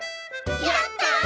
やった！